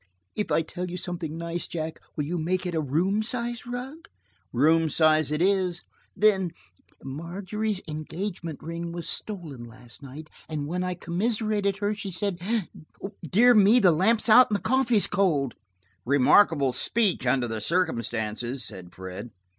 "If I tell you something nice, Jack, will you make it a room size rug?" "Room size it is." "Then–Margery's engagement ring was stolen last night and when I commiserated her she said–dear me, the lamp's out and the coffee is cold!" "Remarkable speech, under the circumstances," said Fred.